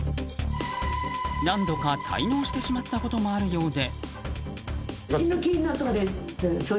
何度か滞納してしまったこともあるようで。